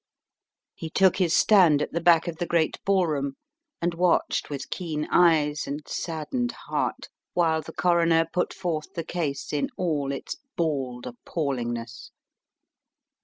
He took his stand at the back of the great ball room, and watched with keen eyes and saddened heart, while the coroner put forth the case in all its bald appallingness.